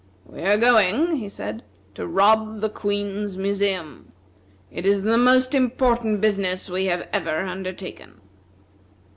"We are going," he said, "to rob the Queen's museum. It is the most important business we have ever undertaken."